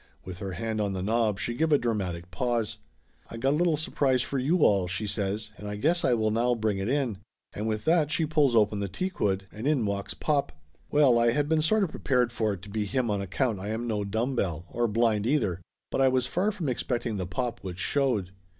With her hand on the knob she give a dra matic pause. "I got a little surprise for you all," she says, "and I guess I will now bring it in !" And with that she pulls open the teakwood, and in walks pop. Well, I had been sort of prepared for it to be him on account I am no dumb bell, or blind either. But I was far from expecting the pop which showed.